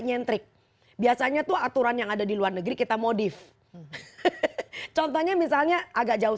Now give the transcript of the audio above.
nyentrik biasanya tuh aturan yang ada di luar negeri kita modif contohnya misalnya agak jauh